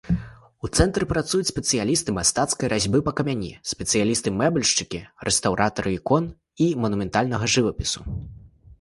У цэнтры працуюць спецыялісты мастацкай разьбы па камені, спецыялісты-мэбельшчыкі, рэстаўратары ікон і манументальнага жывапісу.